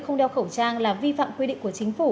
không đeo khẩu trang là vi phạm quy định của chính phủ